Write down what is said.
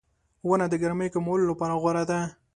• ونه د ګرمۍ کمولو لپاره غوره ده.